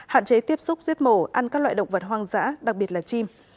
hạn chế tiếp xúc giết mổ ăn các loại động vật hoang dã đặc biệt là chim